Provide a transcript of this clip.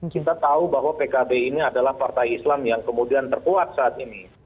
kita tahu bahwa pkb ini adalah partai islam yang kemudian terkuat saat ini